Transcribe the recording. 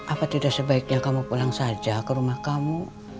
apa tidak sebaiknya kamu pulang saja ke rumah kamu